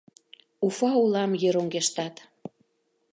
Уфа олам йыр оҥгештат.